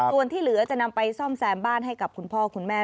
ส่วนที่เหลือจะนำไปซ่อมแซมบ้านให้กับคุณพ่อคุณแม่